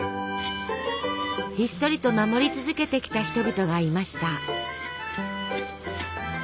ひっそりと守り続けてきた人々がいました。